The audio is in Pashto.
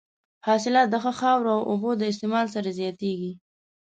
حاصلات د ښه خاورو او اوبو د استعمال سره زیاتېږي.